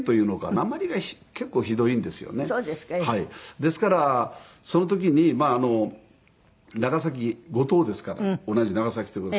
ですからその時に長崎五島ですから同じ長崎という事で。